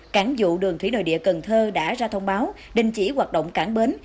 cảng vụ đường thủy nội địa cần thơ đã ra thông báo đình chỉ hoạt động cảng bến